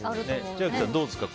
千秋さん、どうですか？